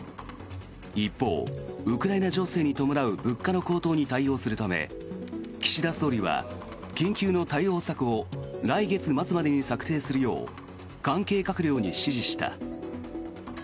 一方、ウクライナ情勢に伴う物価の高騰に対応するため岸田総理は緊急の対応策を来月末までに策定するよう関係閣僚に指示した。